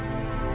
ya udah deh